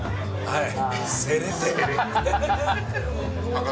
はい。